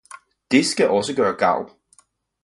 det skal også gøre gavn!